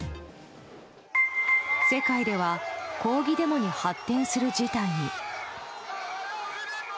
世界では抗議デモに発展する事態に。